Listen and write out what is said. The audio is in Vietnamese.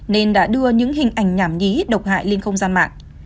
nên đã đưa những hình ảnh nhảm nhí độc hại lên không gian mạng